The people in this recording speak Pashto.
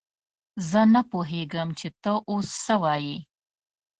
زه نه پوهېږم چې ته اوس څه وايې!